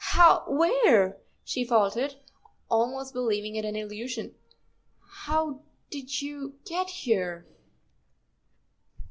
" How—where?" she faltered, almost believing it an illusion, "how—did—you—get—here?"